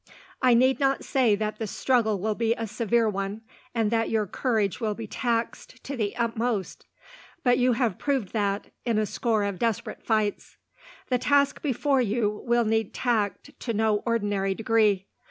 I need not say that the struggle will be a severe one, and that your courage will be taxed to the utmost, but you have proved that in a score of desperate fights. "The task before you will need tact to no ordinary degree.